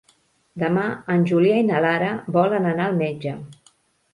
Demà en Julià i na Lara volen anar al metge.